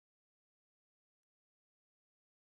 انډریو له ایس میکس څخه د پیسو پوښتنه وکړه